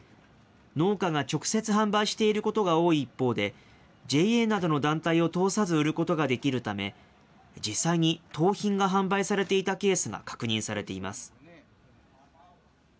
農家が直接販売していることが多い一方で、ＪＡなどの団体を通さず売ることができるため、実際に盗品が販売されていたケースが確認されています。